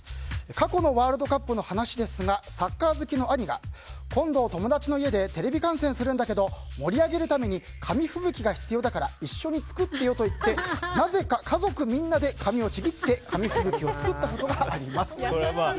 過去のワールドカップの話ですがサッカー好きの兄が今度、友達の家でテレビ観戦するんだけど盛り上げるために紙吹雪が必要だから一緒に作ってよと言われてなぜか家族みんなで紙をちぎって紙ふぶきを作ったことがあります。